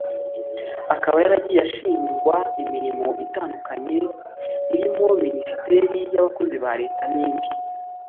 akaba yaragiye ashingwa imirimo itandukanye irimo Minisiteri y’abakozi ba Leta n’indi